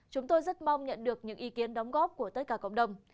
chúng tôi rất mong nhận được những ý kiến đóng góp của tất cả cộng đồng